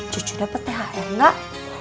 cucu dapet thr gak